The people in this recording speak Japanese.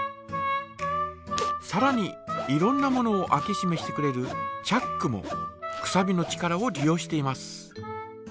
さらにいろんなものを開けしめしてくれるチャックもくさびの力を利用しています。